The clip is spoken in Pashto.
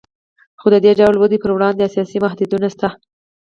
خو د دې ډول ودې پر وړاندې اساسي محدودیتونه شته